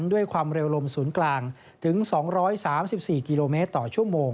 ด้วยความเร็วลมศูนย์กลางถึง๒๓๔กิโลเมตรต่อชั่วโมง